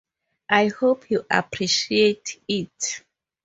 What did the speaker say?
I hope you appreciate it.